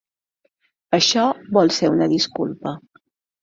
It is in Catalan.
Això vol ser una disculpa.